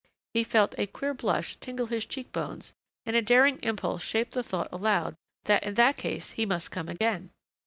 he felt a queer blush tingle his cheek bones and a daring impulse shape the thought aloud that in that case he must come again.